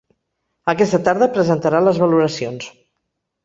Aquesta tarda presentarà les valoracions.